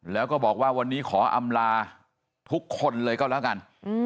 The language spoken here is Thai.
แล้วก็บอกว่าวันนี้ขออำลาทุกคนเลยก็แล้วกัน